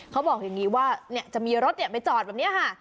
เขาบอกอย่างนี้ว่าจะมีรถไปจอดแบบนี้ค่ะ